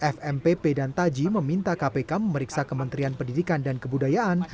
fmpp dan taji meminta kpk memeriksa kementerian pendidikan dan kebudayaan